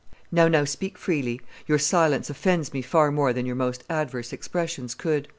"Now, now, speak freely; your silence offends me far more than your most adverse expressions could.